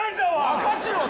分かってるわ。